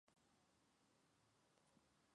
Westport, Connecticut: Greenwood Press.